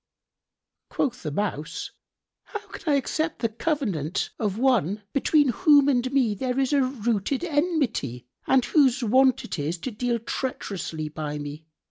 Quoth the Mouse, "How can I accept the covenant of one between whom and me there is a rooted enmity, and whose wont it is to deal treacherously by me?